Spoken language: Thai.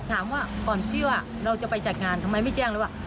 ถามว่าก่อนที่ว่าเราจะไปจัดงานทำไมไม่แจ้งเลยว่า